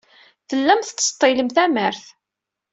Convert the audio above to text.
Tellam tettseḍḍilem tamart.